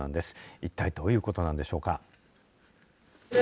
一体どういうことなんでしょうか。